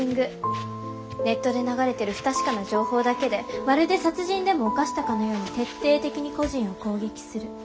ネットで流れてる不確かな情報だけでまるで殺人でも犯したかのように徹底的に個人を攻撃する。